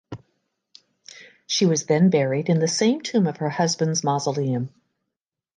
She was then buried in the same tomb of her husband’s mausoleum.